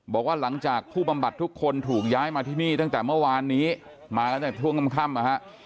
บอกว่าหลังจากผู้บำบัดทุกคนถูกย้ายมาที่นี่ตั้งแต่เมื่อวานนี้มากันตั้งแต่ช่วงค่ำนะฮะ